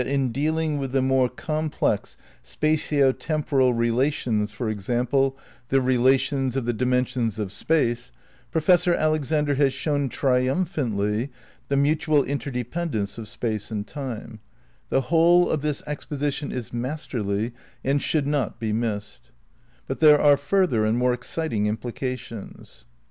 50. 170 THE NEW IDEALISM v relations of the dimensions of Space, Professor Alex ander has shown triumphantly the mutual interdepend ence of Space and Time. The whole of this exposition is masterly and should not be missed. )i But there are further and more exciting implications.